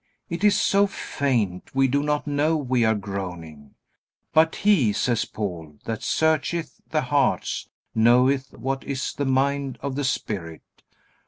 It is so faint we do not know we are groaning. "But he," says Paul, "that searcheth the hearts knoweth what is the mind of the Spirit."